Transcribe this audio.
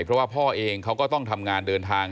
เพราะว่าพ่อเองเขาก็ต้องทำงานเดินทาง